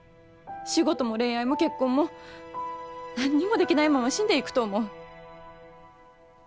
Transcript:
仕事も恋愛も結婚も何にもできないまま死んでいくと思う。